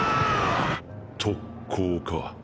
特攻か。